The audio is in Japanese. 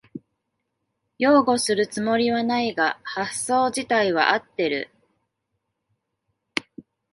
擁護するつもりはないが発想じたいは合ってる